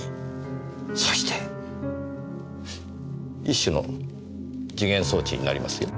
一種の時限装置になりますよ。